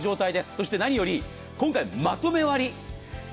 そして、何より今回、まとめ割り。